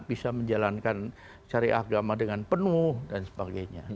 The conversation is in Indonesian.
bisa menjalankan syariah agama dengan penuh dan sebagainya